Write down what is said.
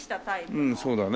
うんそうだね。